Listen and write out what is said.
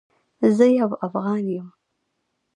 زه یو افغان یم